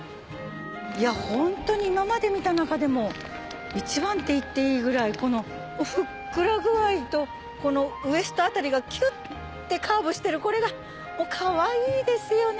いやホントに今まで見た中でも一番って言っていいぐらいこのふっくら具合とこのウエスト辺りがキュってカーブしてるこれがもうかわいいですよね